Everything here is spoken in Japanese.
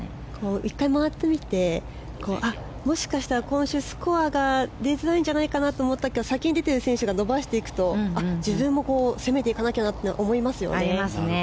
１回、回ってみてもしかしたら今週スコアが出づらいんじゃないかなと思ったけど先に出て行った選手が伸ばしていくと自分も攻めていかなきゃと思いますよね。